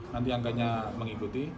nanti angkanya mengikuti